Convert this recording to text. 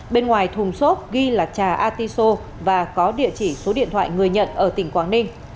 bên ngoài thùng xốp ghi là trà artiso và có địa chỉ số điện thoại người nhận ở tỉnh quảng ninh